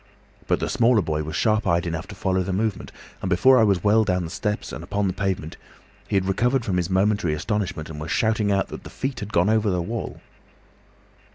But the smaller boy was sharp eyed enough to follow the movement, and before I was well down the steps and upon the pavement, he had recovered from his momentary astonishment and was shouting out that the feet had gone over the wall.